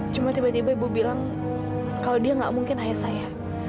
cuma tiba tiba ibu bilang kalau dia nggak mungkin ayah saya